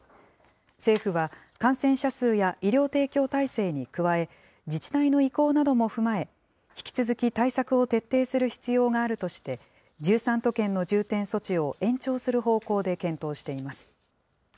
政府は、感染者数や医療提供体制に加え、自治体の意向なども踏まえ、引き続き対策を徹底する必要があるとして、１３都県の重点措置を延長する方向で検討しています。